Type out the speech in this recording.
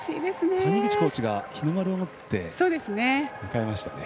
谷口コーチが日の丸を持って迎えました。